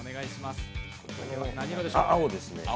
青ですね。